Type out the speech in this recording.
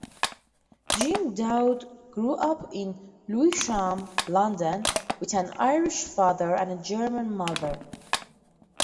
Jim Dowd grew up in Lewisham, London, with an Irish father and German mother.